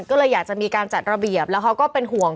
ก็เลยอยากจะมีการจัดระเบียบแล้วเขาก็เป็นห่วง